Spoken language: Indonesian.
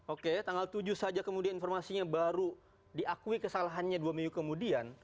oke ya tanggal tujuh saja kemudian informasinya baru diakui kesalahannya dua minggu kemudian